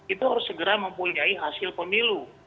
itu harus segera mempunyai hasil pemilu